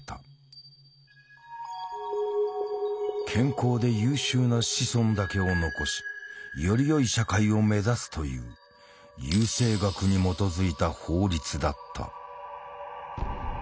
健康で優秀な子孫だけを残しよりよい社会を目指すという優生学に基づいた法律だった。